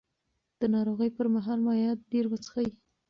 د ناروغۍ پر مهال مایعات ډېر وڅښئ.